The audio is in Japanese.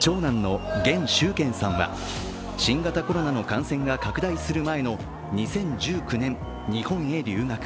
長男の元修権さんは、新型コロナの感染が拡大する前の２０１９年、日本へ留学。